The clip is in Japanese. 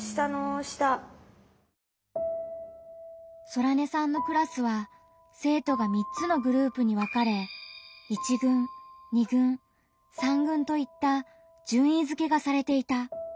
ソラネさんのクラスは生徒が３つのグループに分かれ１軍２軍３軍といった順位づけがされていた。